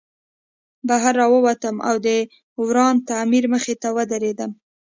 بهر راووتم او د وران تعمیر مخې ته ودرېدم